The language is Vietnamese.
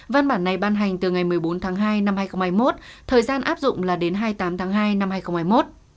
văn bản này ban hành từ ngày một mươi bốn tháng hai năm hai nghìn hai mươi một thời gian áp dụng là đến hai mươi tám tháng hai năm hai nghìn hai mươi một